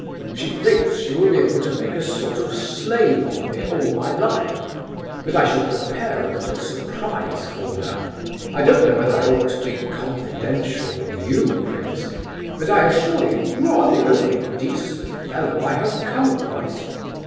She thinks she will be able to make a sort of slave of me all my life; but I shall prepare a little surprise for her. I don't know whether I ought to be confidential with you, prince; but, I assure you, you are the only decent fellow I have come across.